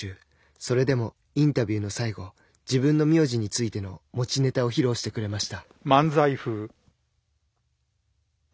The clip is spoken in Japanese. それでもインタビューの最後自分の名字についての持ちネタを披露してくれました。